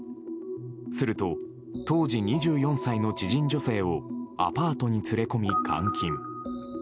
すると当時２４歳の知人女性をアパートに連れ込み、監禁。